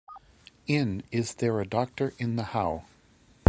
In Is There a Doctor in the Howe?